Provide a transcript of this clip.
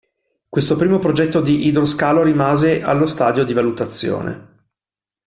Questo primo progetto di idroscalo rimase allo stadio di valutazione.